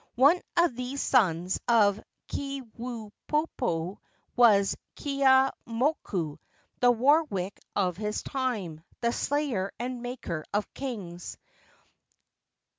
One of these sons of Keawepoepoe was Keeaumoku, the Warwick of his time, the slayer and maker of kings.